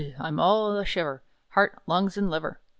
I'm all of a shiver, Heart, lungs, and liver!